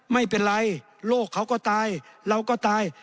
ไม่เป็นไรโลกเขาก็ตายเราก็ตาย